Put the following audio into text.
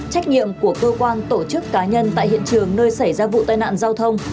trách nhiệm của cơ quan tổ chức cá nhân tại hiện trường nơi xảy ra vụ tai nạn giao thông